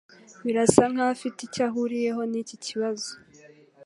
Birasa nkaho afite icyo ahuriyeho niki kibazo.